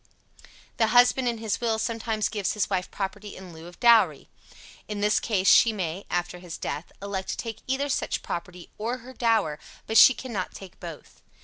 The husband in his will sometimes gives his wife property in lieu of dowry. In this case, she may, after his death, elect to take either such property or her dower; but she cannot take both.